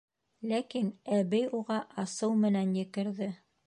Ләкин әбей уға асыу менән екерҙе: